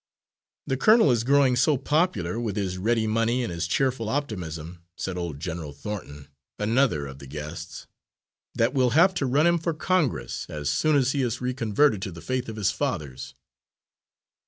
"The colonel is growing so popular, with his ready money and his cheerful optimism," said old General Thornton, another of the guests, "that we'll have to run him for Congress, as soon as he is reconverted to the faith of his fathers."